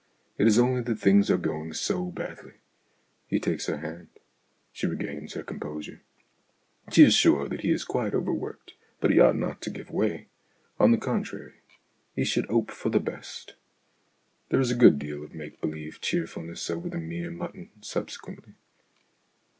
It is only that things are going so badly. He takes her hand. She regains her composure. She is sure that he is quite overworked, but he ought not to give way ; on the contrary, he should 'ope for the 48 STORIES IN GREY best. There is a good deal of make believe cheer fulness over the mere mutton subsequently.